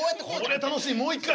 こりゃ楽しいもう一回。